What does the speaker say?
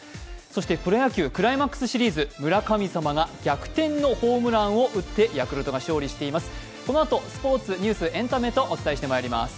そしてプロ野球クライマックスシリーズ、村神様が逆転のホームランを打ってヤクルトが勝利しています。